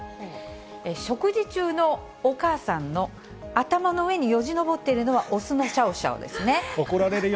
食事中のお母さんの頭の上によじ登っているのは雄のシャオシャオ怒られるよ。